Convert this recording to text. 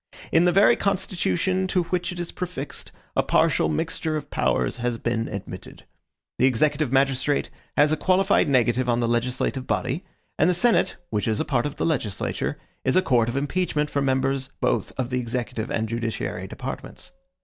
In the very Constitution to which it is prefixed, a partial mixture of powers has been admitted. The executive magistrate has a qualified negative on the legislative body, and the Senate, which is a part of the legislature, is a court of impeachment for members both of the executive and judiciary departments.